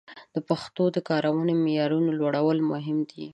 د پښتو د کارونې د معیارونو لوړول مهم دي.